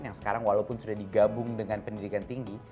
yang sekarang walaupun sudah digabung dengan pendidikan tinggi